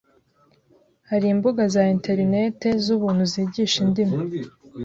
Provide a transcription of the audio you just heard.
Hari imbuga za Interineti z’ubuntu zigisha indimi